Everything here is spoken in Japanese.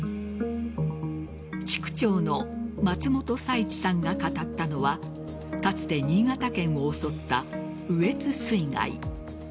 地区長の松本佐一さんが語ったのはかつて新潟県を襲った羽越水害。